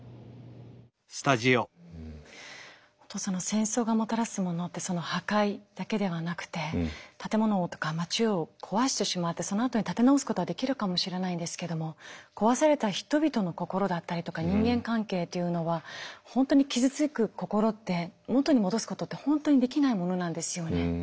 戦争がもたらすものって破壊だけではなくて建物とか街を壊してしまってそのあとに建て直すことはできるかもしれないんですけども壊された人々の心だったりとか人間関係というのは本当に傷つく心って元に戻すことって本当にできないものなんですよね。